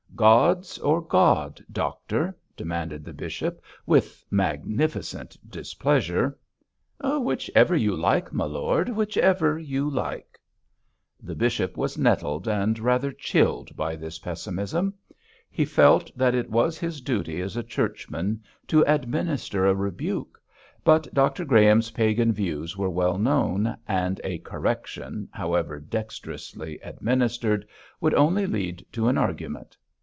'Gods or God, doctor?' demanded the bishop, with magnificent displeasure. 'Whichever you like, my lord; whichever you like.' The bishop was nettled and rather chilled by this pessimism. He felt that it was his duty as a Churchman to administer a rebuke; but Dr Graham's pagan views were well known, and a correction, however dexterously administered, would only lead to an argument.